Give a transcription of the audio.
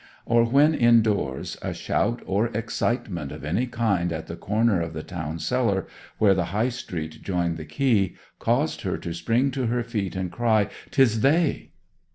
Or when indoors, a shout or excitement of any kind at the corner of the Town Cellar, where the High Street joined the Quay, caused her to spring to her feet and cry: ''Tis they!